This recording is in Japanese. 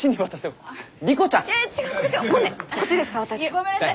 ごめんなさい